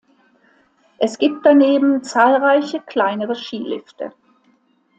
Es gibt daneben zahlreiche kleinere Skilifte.